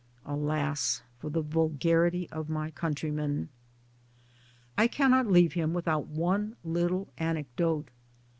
Alas, for the vulgarity of my countrymen 1 PERSONALITIES .253 I cannot leave him without one little anecdote.